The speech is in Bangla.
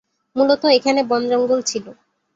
মূলত এখানে বন-জঙ্গল ছিল।